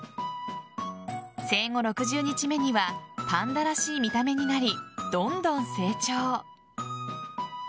生後６０日目にはパンダらしい見た目になりどんどん成長。